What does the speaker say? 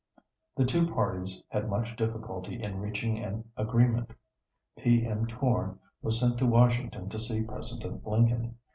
The two parties had much difficulty in reaching an agreement. P. M. Tourne was sent to Washington to see President Lincoln.